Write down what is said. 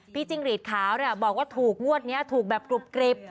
จิ้งหรีดขาวบอกว่าถูกงวดนี้ถูกแบบกรุบกริบ